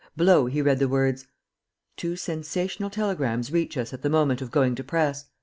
Below he read the words: "Two sensational telegrams reach us at the moment of going to press.